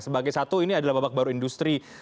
sebagai satu ini adalah babak baru industri